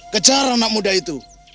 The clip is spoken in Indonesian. kejar anak muda itu